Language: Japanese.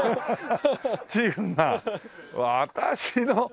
チーフが私の。